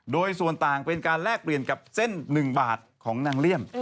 โดยส่วนต่างเป็นการแลกเปลี่ยนกับเส้น๑บาทของนางเลี่ยม